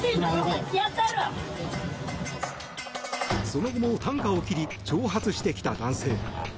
その後も、たんかを切り挑発してきた男性。